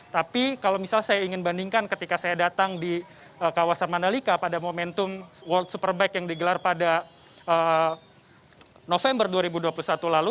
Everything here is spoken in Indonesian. tapi kalau misalnya saya ingin bandingkan ketika saya datang di kawasan mandalika pada momentum world superbike yang digelar pada november dua ribu dua puluh satu lalu